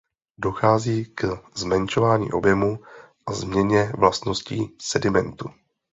Dochází k zmenšování objemu a změně vlastností sedimentu.